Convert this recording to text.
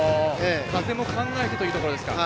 風も考えてというところですか。